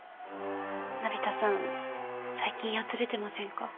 成田さん最近やつれてませんか？